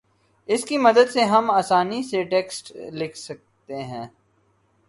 اس کی مدد سے ہم آسانی سے ٹیکسٹ لکھ سکتے ہیں